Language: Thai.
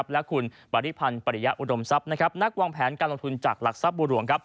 และคุณบริพันธ์ปริยะอุดมทรัพย์นักวางแผนการลงทุนจากหลักทรัพย์บัวหลวง